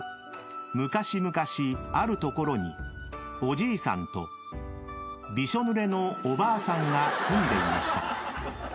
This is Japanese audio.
［むかしむかしあるところにおじいさんとびしょぬれのおばあさんが住んでいました］